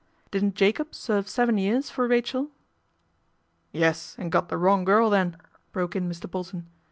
" Didn'1 Jacob serve seven years for Rachel ?"" Yes, and got the wrong girl then," brok( in Mr. Bolton.